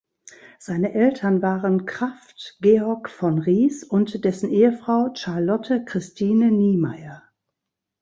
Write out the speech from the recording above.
Seine Eltern waren "Kraft Georg von Ries" und dessen Ehefrau "Charlotte Christine Niemeyer".